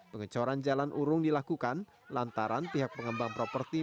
pengecoran jalan urung dilakukan lantaran pihak pengembang properti